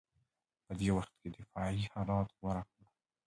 په دې وخت کې دفاعي حالت غوره کړ